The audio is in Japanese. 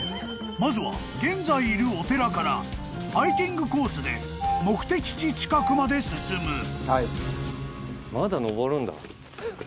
［まずは現在いるお寺からハイキングコースで目的地近くまで進む］